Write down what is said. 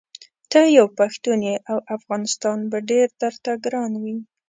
ته یو پښتون یې او افغانستان به ډېر درته ګران وي.